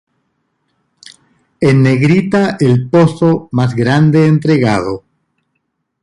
En negrita el pozo más grande entregado